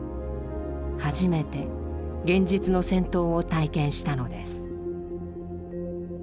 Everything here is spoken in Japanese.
初めて現実の戦闘を体験したのです。